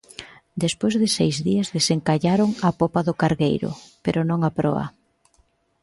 Despois de seis días, desencallaron a popa do cargueiro, pero non a proa.